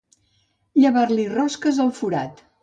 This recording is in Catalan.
Llevar-li rosques al forat.